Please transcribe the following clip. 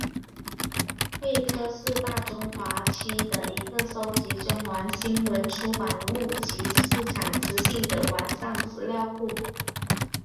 慧科是大中华区的一个收集中文新闻出版物及市场资讯的网上资料库。